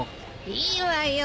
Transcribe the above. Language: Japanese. いいわよ。